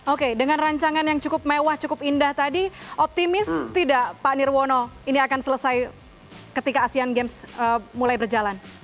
oke dengan rancangan yang cukup mewah cukup indah tadi optimis tidak pak nirwono ini akan selesai ketika asean games mulai berjalan